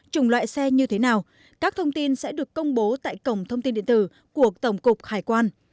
chủng loại xe như thế nào các thông tin sẽ được công bố tại cổng thông tin điện tử của tổng cục hải quan